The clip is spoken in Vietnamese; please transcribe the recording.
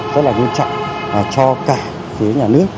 rất là nguyên trọng cho cả phía nhà nước